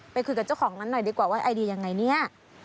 ไปคุยต่อกับเจ้าของนั่นน่ะนะไอดีวี้ยังไงเนี้ย